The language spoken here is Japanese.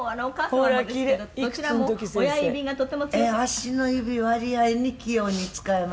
足の指割合に器用に使えます。